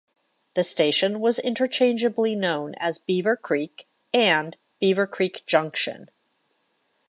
The station was interchangeably known as "Beaver Creek" and "Beaver Creek Junction".